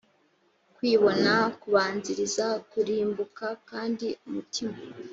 kwibona kubanziriza kurimbuka kandi umutima